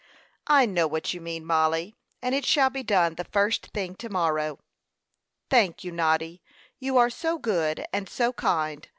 "I know what you mean, Mollie, and it shall be done the first thing to morrow." "Thank you, Noddy. You are so good and so kind!